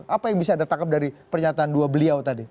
apa yang bisa ditangkap dari pernyataan dua beliau tadi